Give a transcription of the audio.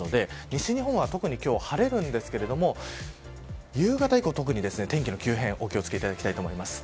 西日本は特に晴れるんですが夕方以降、特に天気の急変お気を付けいただきたいと思います。